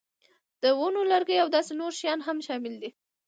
د ونو لرګي او داسې نور شیان هم شامل دي.